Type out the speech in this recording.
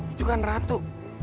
itu kan ratu